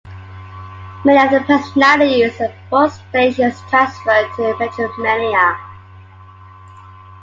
Many of the personalities at both stations transferred to Metromedia.